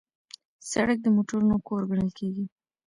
سړک د موټرونو کور ګڼل کېږي.